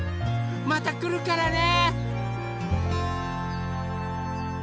またくるからね！